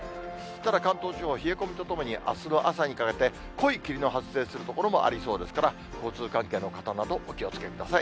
ただ、関東地方は冷え込みとともに、あすの朝にかけて、濃い霧の発生する所もありそうですから、交通関係の方など、お気をつけください。